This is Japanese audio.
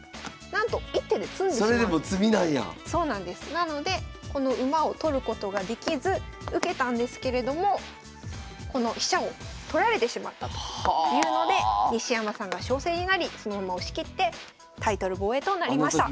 なのでこの馬を取ることができず受けたんですけれどもこの飛車を取られてしまったというので西山さんが勝勢になりそのまま押し切ってタイトル防衛となりました。